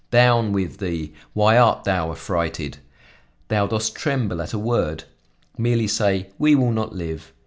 Down with thee! Why art thou affrighted? Dost thou tremble at a word? Merely say: 'We will not live.'